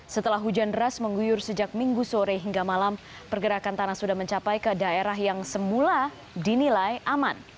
setelah hujan deras mengguyur sejak minggu sore hingga malam pergerakan tanah sudah mencapai ke daerah yang semula dinilai aman